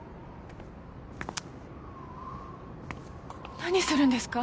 何するんですか？